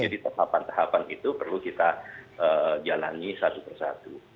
jadi tahapan tahapan itu perlu kita jalani satu persatu